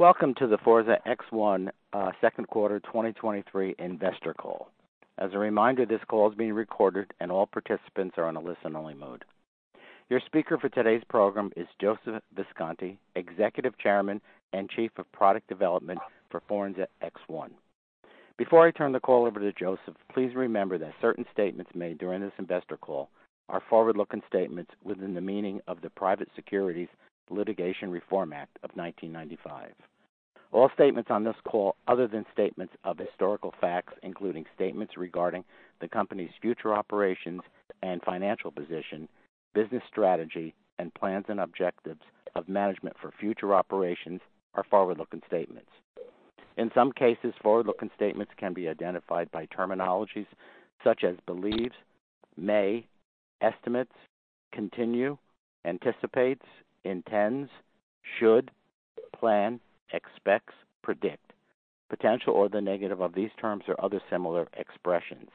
Welcome to the Forza X1, Q2 2023 investor call. As a reminder, this call is being recorded and all participants are on a listen-only mode. Your speaker for today's program is Joseph Visconti, Executive Chairman and Chief of Product Development for Forza X1. Before I turn the call over to Joseph, please remember that certain statements made during this investor call are forward-looking statements within the meaning of the Private Securities Litigation Reform Act of 1995. All statements on this call, other than statements of historical facts, including statements regarding the company's future operations and financial position, business strategy, and plans and objectives of management for future operations, are forward-looking statements. In some cases, forward-looking statements can be identified by terminologies such as believes, may, estimates, continue, anticipates, intends, should, plan, expects, predict, potential or the negative of these terms or other similar expressions.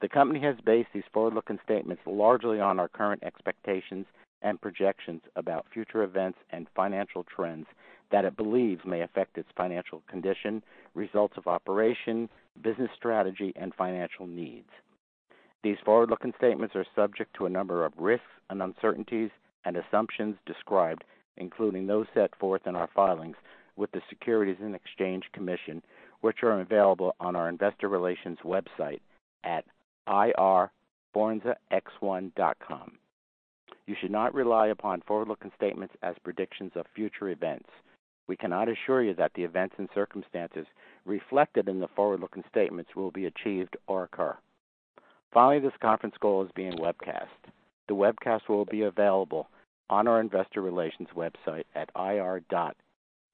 The company has based these forward-looking statements largely on our current expectations and projections about future events and financial trends that it believes may affect its financial condition, results of operation, business strategy, and financial needs. These forward-looking statements are subject to a number of risks and uncertainties and assumptions described, including those set forth in our filings with the Securities and Exchange Commission, which are available on our investor relations website at ir.forzax1.com. You should not rely upon forward-looking statements as predictions of future events. We cannot assure you that the events and circumstances reflected in the forward-looking statements will be achieved or occur. This conference call is being webcast. The webcast will be available on our investor relations website at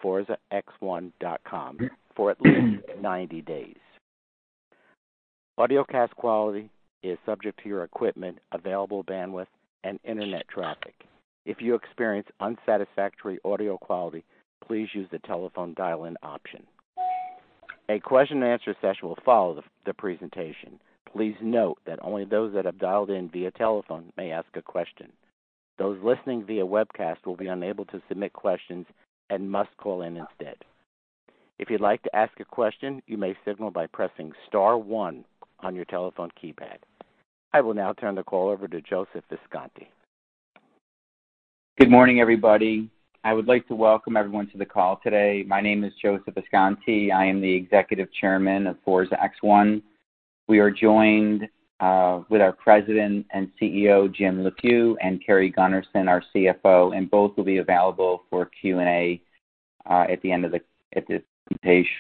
ir.forzax1.com for at least 90 days. Audio cast quality is subject to your equipment, available bandwidth, and internet traffic. If you experience unsatisfactory audio quality, please use the telephone dial-in option. A question and answer session will follow the presentation. Please note that only those that have dialed in via telephone may ask a question. Those listening via webcast will be unable to submit questions and must call in instead. If you'd like to ask a question, you may signal by pressing star one on your telephone keypad. I will now turn the call over to Joseph Visconti. Good morning, everybody. I would like to welcome everyone to the call today. My name is Joseph Visconti. I am the Executive Chairman of Forza X1. We are joined with our President and CEO, Jim Leffew, and Carrie Gunnerson, our CFO, and both will be available for Q&A at the end of this presentation.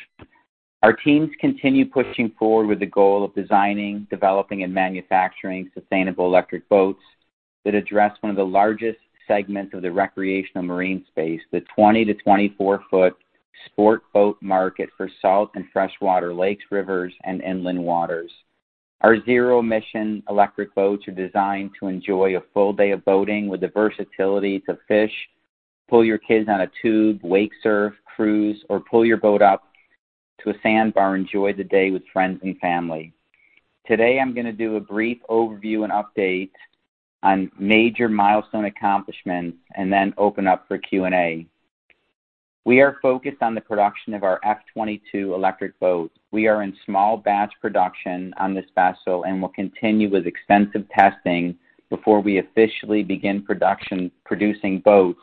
Our teams continue pushing forward with the goal of designing, developing, and manufacturing sustainable electric boats that address one of the largest segments of the recreational marine space, the 20 to 24 foot sport boat market for salt and freshwater lakes, rivers, and inland waters. Our zero-emission electric boats are designed to enjoy a full day of boating with the versatility to fish, pull your kids on a tube, wake, surf, cruise, or pull your boat up to a sandbar and enjoy the day with friends and family. Today, I'm going to do a brief overview and update on major milestone accomplishments, and then open up for Q&A. We are focused on the production of our F22 electric boat. We are in small batch production on this vessel and will continue with extensive testing before we officially begin producing boats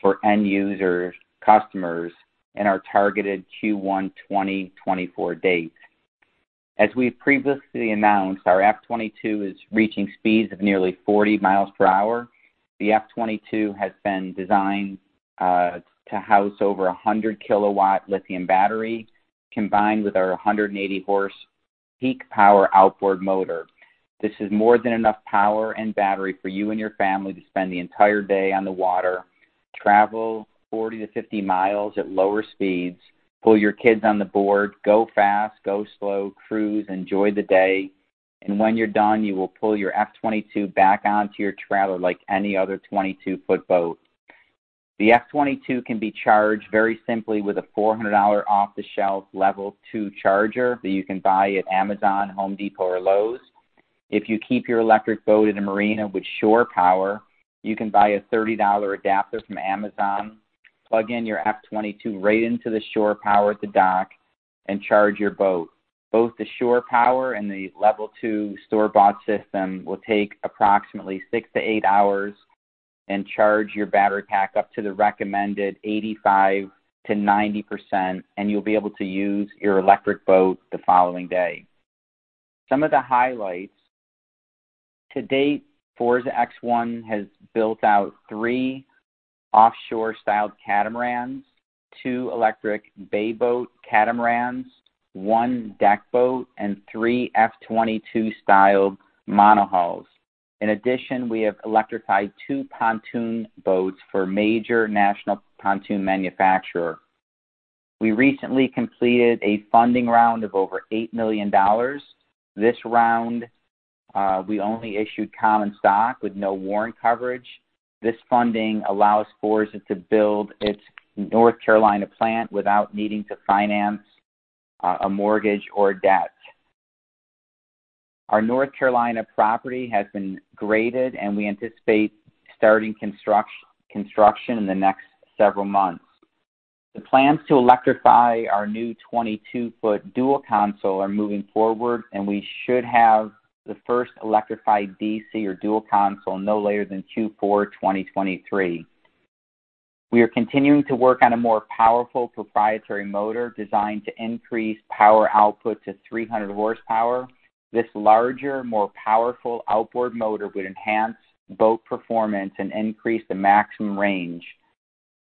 for end users, customers, and our targeted Q1 2024 date. As we've previously announced, our F22 is reaching speeds of nearly 40 miles per hour. The F22 has been designed to house over a 100 kW lithium battery, combined with our 180 horse peak power outboard motor. This is more than enough power and battery for you and your family to spend the entire day on the water, travel 40-50 miles at lower speeds, pull your kids on the board, go fast, go slow, cruise, enjoy the day, and when you're done, you will pull your F22 back onto your trailer like any other 22-foot boat. The F22 can be charged very simply with a $400 off-the-shelf Level 2 charger that you can buy at Amazon, Home Depot, or Lowe's. If you keep your electric boat in a marina with shore power, you can buy a $30 adapter from Amazon, plug in your F22 right into the shore power at the dock, and charge your boat. Both the shore power and the Level 2 store-bought system will take approximately six to eight hours and charge your battery pack up to the recommended 85%-90%, and you'll be able to use your electric boat the following day. Some of the highlights: To date, Forza X1 has built out three offshore-styled catamarans, two electric bay boat catamarans, one deck boat, and three F22-styled monohulls. In addition, we have electrified two pontoon boats for a major national pontoon manufacturer. We recently completed a funding round of over $8 million. This round, we only issued common stock with no warrant coverage. This funding allows Forza to build its North Carolina plant without needing to finance a mortgage or debt. Our North Carolina property has been graded, and we anticipate starting construction in the next several months. The plans to electrify our new 22-foot Dual Console are moving forward, and we should have the first electrified DC or Dual Console no later than Q4 2023. We are continuing to work on a more powerful proprietary motor designed to increase power output to 300 horsepower. This larger, more powerful outboard motor would enhance boat performance and increase the maximum range.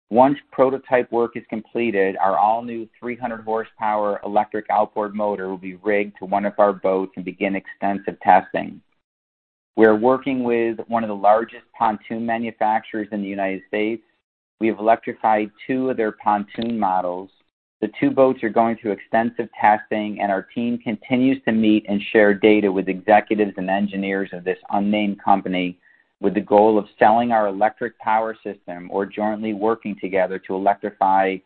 Once prototype work is completed, our all-new 300 horsepower electric outboard motor will be rigged to one of our boats and begin extensive testing. We are working with one of the largest pontoon manufacturers in the United States. We have electrified two of their pontoon models. The two boats are going through extensive testing, and our team continues to meet and share data with executives and engineers of this unnamed company with the goal of selling our electric power system or jointly working together to electrify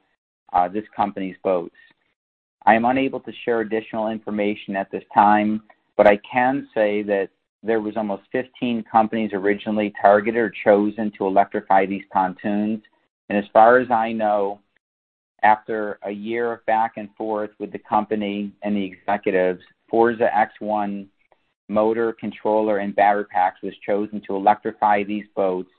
this company's boats. I am unable to share additional information at this time, but I can say that there was almost 15 companies originally targeted or chosen to electrify these pontoons. As far as I know, after 1 year of back and forth with the company and the executives, Forza X1 motor, controller and battery packs was chosen to electrify these boats,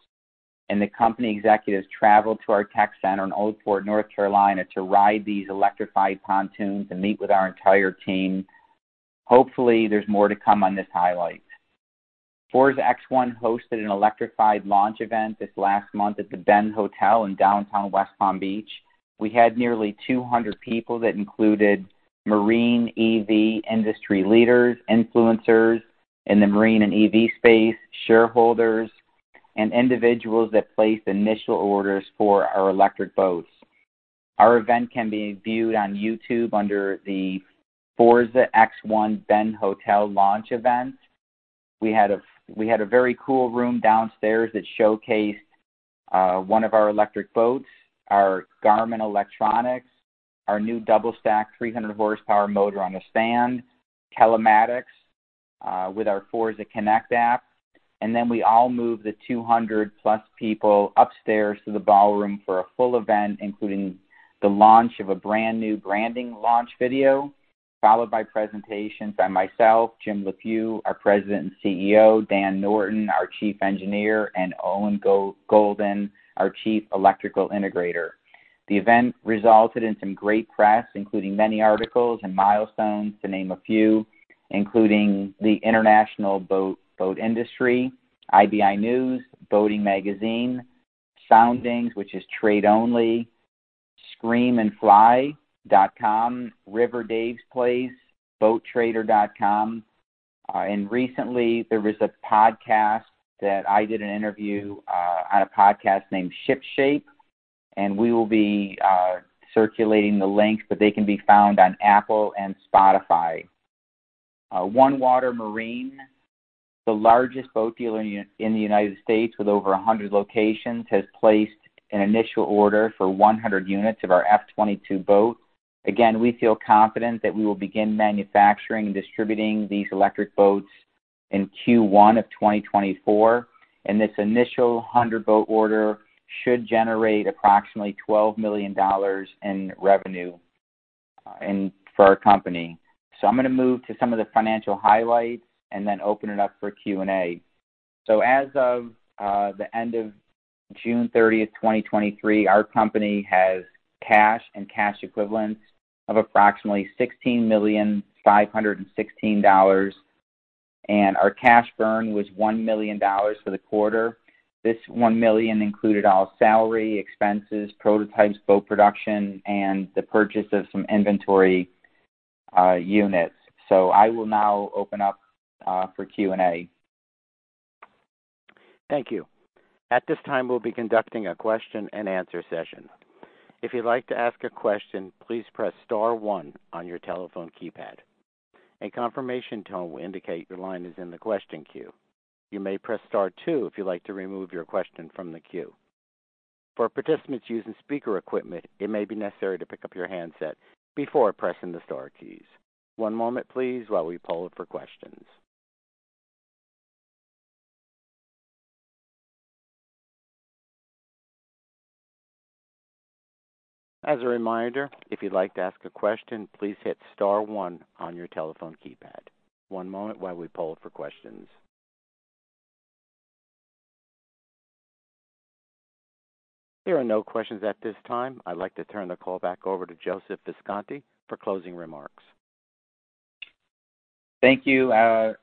and the company executives traveled to our tech center in Old Fort, North Carolina, to ride these electrified pontoons and meet with our entire team. Hopefully, there's more to come on this highlight. Forza X1 hosted an electrified launch event this last month at The Ben Hotel in downtown West Palm Beach. We had nearly 200 people that included marine EV industry leaders, influencers in the marine and EV space, shareholders, and individuals that placed initial orders for our electric boats. Our event can be viewed on YouTube under the Forza X1 The Ben Hotel launch event. We had a very cool room downstairs that showcased one of our electric boats, our Garmin electronics, our new double stack 300 horsepower motor on a stand, telematics with our Forza Connect app. Then we all moved the 200 plus people upstairs to the ballroom for a full event, including the launch of a brand new branding launch video, followed by presentations by myself, Jim Leffew, our President and CEO, Dan Norton, our Chief Engineer, and Owen Golden, our Chief Electrical Integrator. The event resulted in some great press, including many articles and milestones, to name a few, including the International Boat Industry, IBI News, Boating Magazine, Soundings Trade Only, screamandfly.com, River Dave's Place, boattrader.com. And recently there was a podcast that I did an interview on a podcast named ShipShape, and we will be circulating the link, but they can be found on Apple and Spotify. OneWater Marine, the largest boat dealer in the United States with over 100 locations, has placed an initial order for 100 units of our F22 boat. Again, we feel confident that we will begin manufacturing and distributing these electric boats in Q1 of 2024. This initial 100-boat order should generate approximately $12 million in revenue for our company. I'm going to move to some of the financial highlights and then open it up for Q&A. As of the end of June 30, 2023, our company has cash and cash equivalents of approximately $16,516. Our cash burn was $1 million for the quarter. This $1 million included all salary, expenses, prototypes, boat production, and the purchase of some inventory units. I will now open up for Q&A. Thank you. At this time, we'll be conducting a question and answer session. If you'd like to ask a question, please press star one on your telephone keypad. A confirmation tone will indicate your line is in the question queue. You may press star two if you'd like to remove your question from the queue. For participants using speaker equipment, it may be necessary to pick up your handset before pressing the star keys. One moment, please, while we poll for questions. As a reminder, if you'd like to ask a question, please hit star one on your telephone keypad. One moment while we poll for questions. There are no questions at this time. I'd like to turn the call back over to Joseph Visconti for closing remarks. Thank you. We're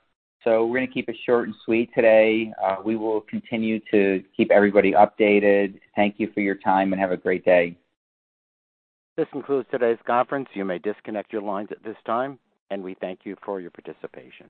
going to keep it short and sweet today. We will continue to keep everybody updated. Thank you for your time, and have a great day. This concludes today's conference. You may disconnect your lines at this time, and we thank you for your participation.